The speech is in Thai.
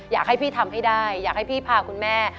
อยากให้พี่ทำให้ได้อยากให้พี่พาคุณแม่